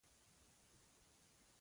وړو _زړو ژړل.